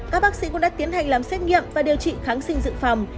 các bác sĩ cũng đã tiến hành làm xét nghiệm và điều trị kháng sinh dự phòng